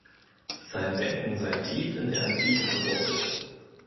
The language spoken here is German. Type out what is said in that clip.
Sein Denken sei tief in der Antike verwurzelt.